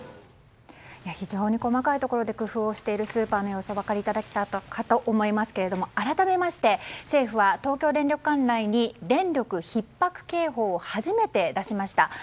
非常に細かいところで工夫をしているスーパーの様子お分かりいただけたかと思いますが改めまして政府は東京電力管内に電力ひっ迫警報を初めて出しました。